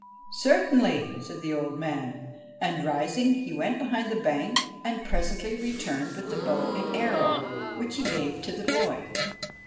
' Certainly !' said the old man ; and, rising, he went behind the bank, and presently returned with the bow and arrow, which he gave to the boy.